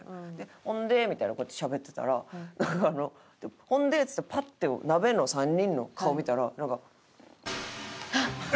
「ほんで」みたいなこうやってしゃべってたら「ほんで」っつってパッてナベの３人の顔見たら。